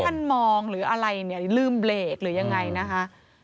ท่านมองหรืออะไรเนี่ยลืมเบรกหรือยังไงนะคะ